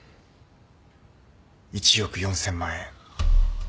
１億４，０００万円。